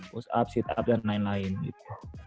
push up sit up dan lain lain gitu